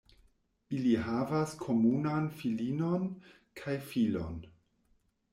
Ili havas komunan filinon kaj filon.